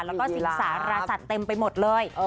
แล้วก็สิงสารสัตว์เต็มไปหมดเลย